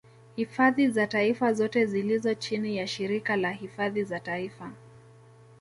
Hifadhi za taifa zote zilizo chini ya shirika la hifadhi za taifa